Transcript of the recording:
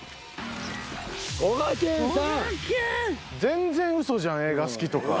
全然ウソじゃん映画好きとか。